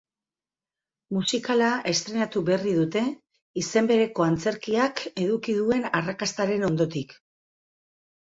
Musikala estreinatu berri dute, izen bereko antzerkiak eduki duen arrakastaren ondotik.